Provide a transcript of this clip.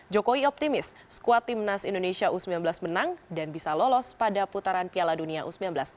jokowi optimis skuad timnas indonesia u sembilan belas menang dan bisa lolos pada putaran piala dunia u sembilan belas